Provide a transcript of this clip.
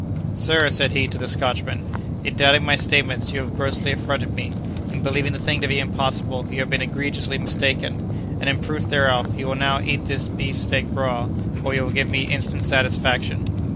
"'Sir,' said he to the Scotchman, 'in doubting my statements, you have grossly affronted me; in believing the thing to be impossible, you have been egregiously mistaken; and, in proof thereof, you will now eat this beef steak raw, or you will give me instant satisfaction!